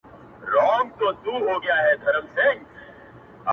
اورنګ زېب٫